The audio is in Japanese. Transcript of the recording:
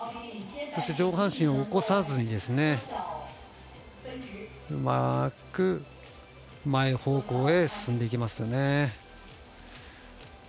そして、上半身を起こさずにうまく前方向へ進んでいきますね。